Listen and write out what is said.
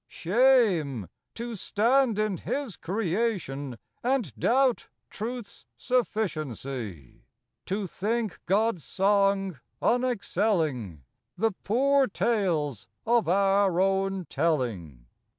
Shame ! to stand in His creation And doubt Truth's sufficiency! To think God's song unexcelling The poor tales of our own telling.